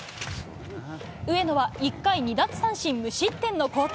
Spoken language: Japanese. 上野は１回２奪三振無失点の好投。